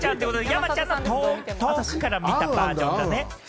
山ちゃんの遠くから見たバージョン。